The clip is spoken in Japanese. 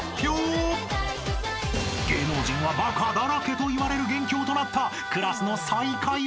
［芸能人はバカだらけといわれる元凶となった］